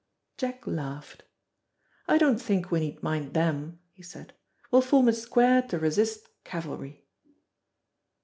Jack laughed. "I don't think we need mind them," he said. "We'll form a square to resist cavalry.".